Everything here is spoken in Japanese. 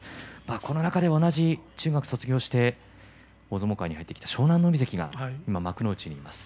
この中で同じ中学を卒業して大相撲界に入ってきた湘南乃海関が今、幕内にいます。